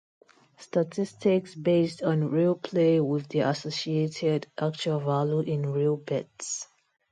Statistics based on real play with their associated actual value in real bets.